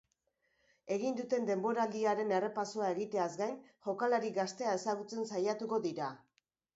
Egin duten denboraldiaren errepasoa egiteaz gain jokalari gaztea ezagutzen saiatuko dira.